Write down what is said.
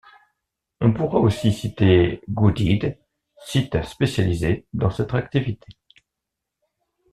On pourra aussi citer Goodeed, site spécialisé dans cette activité.